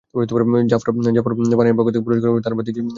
জাফর পানাহির পক্ষ থেকে পুরস্কার গ্রহণ করেছে তাঁর ভাতিজি হানা সায়েদি।